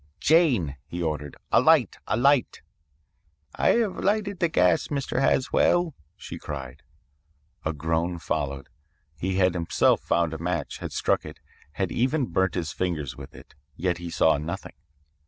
"'Jane,' he ordered, 'a light a light.' "'I have lighted the gas, Mr. Haswell,' she cried. "A groan followed. He had himself found a match, had struck it, had even burnt his fingers with it, yet he saw nothing.